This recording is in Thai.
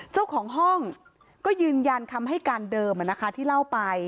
เจ้าของห้องก็ยืนยันคำให้การเดิมที่เล่าไป